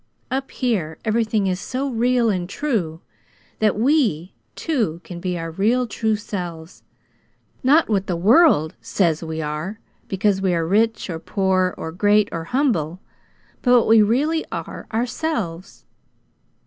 "Up here everything is so real and true that we, too, can be our real true selves not what the world SAYS we are because we are rich, or poor, or great, or humble; but what we really are, OURSELVES."